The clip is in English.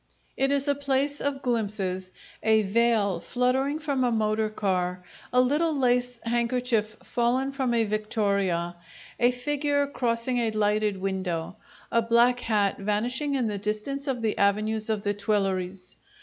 It is a place of glimpses: a veil fluttering from a motor car, a little lace handkerchief fallen from a victoria, a figure crossing a lighted window, a black hat vanishing in the distance of the avenues of the Tuileries.